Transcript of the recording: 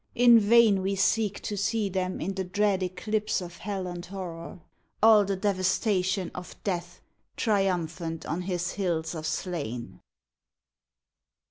In vain We seek to see them in the dread eclipse Of hell and horror, all the devastation Of Death triumphant on his hills of slain.